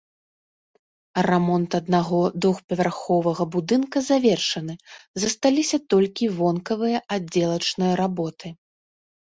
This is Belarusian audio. Рамонт аднаго двухпавярховага будынка завершаны, засталіся толькі вонкавыя аддзелачныя работы.